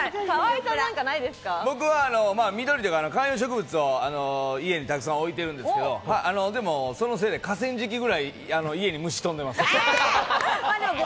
僕は緑とか観葉植物を家にたくさん置いてるんですけど、でもそのせいで、河川敷くらい家に虫飛んでます。